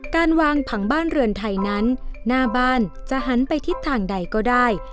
การวางผังบ้านเรือนไทยนั้นหน้าบ้านจะหันไปทิศทางใดก็ได้